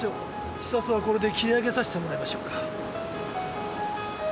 視察はこれで切り上げさしてもらいましょうか。